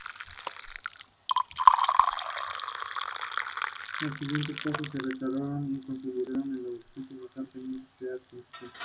Fischer es el único sobreviviente de un intento fallido de investigación treinta años antes.